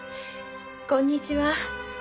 こんにちは。